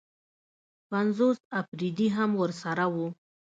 پنځوس اپرېدي هم ورسره وو.